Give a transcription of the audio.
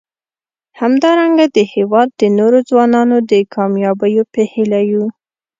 همدارنګه د هیواد د نورو ځوانانو د کامیابیو په هیله یو.